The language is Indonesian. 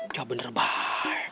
jawab bener baik